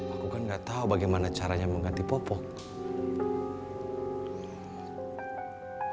aku kan gak tahu bagaimana caranya mengganti popok